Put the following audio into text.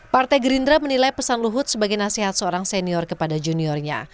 partai gerindra menilai pesan luhut sebagai nasihat seorang senior kepada juniornya